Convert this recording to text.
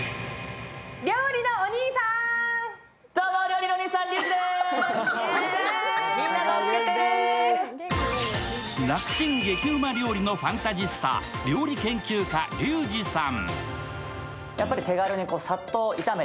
楽ちん激うま料理のファンタジスタ料理研究家のリュウジさん。